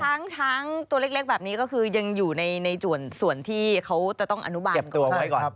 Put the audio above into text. ช้างช้างตัวเล็กแบบนี้ก็คือยังอยู่ในส่วนที่เขาจะต้องอนุบาลก่อน